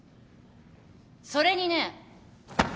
それにね